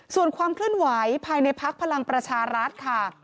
ส่วนความเคลื่อนไหวภายในพักพลังประชารัฐค่ะ